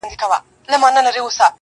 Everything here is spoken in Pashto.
په پنځمه ورځ مور له کور څخه ذهناً وځي